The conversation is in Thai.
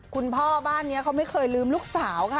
คุณพ่อบ้านนี้เขาไม่เคยลืมลูกสาวค่ะ